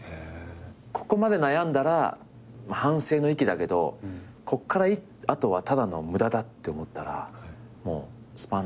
ここまで悩んだら反省の域だけどこっから後はただの無駄だって思ったらすぱんって。